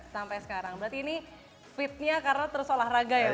sampai sekarang berarti ini fitnya karena terus olahraga ya